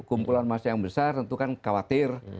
kumpulan massa yang besar tentu kan khawatir